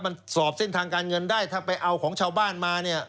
มันสอบเส้นทางการเงินได้ถ้าไปเอาของชาวบ้านมาเนี่ย